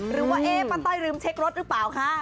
หรือว่าป้าต้อยลืมเช็ครถหรือเปล่าค่ะ